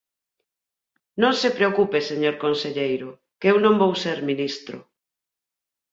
Non se preocupe, señor conselleiro, que eu non vou ser ministro.